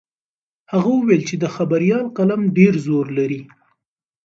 هغه وویل چې د خبریال قلم ډېر زور لري.